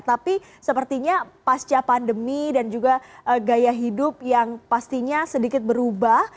tapi sepertinya pasca pandemi dan juga gaya hidup yang pastinya sedikit berubah